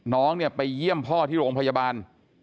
น้องเนี่ยไปเยี่ยมพ่อที่โรงพยาบาล